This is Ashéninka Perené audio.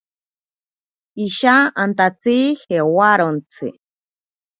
Isha antatsi jewarontsi.